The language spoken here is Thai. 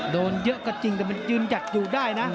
โดนเยอะก็จริงแต่มันยืนหยัดอยู่ได้นะ